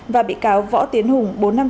và bị cáo võ tiến hùng bốn năm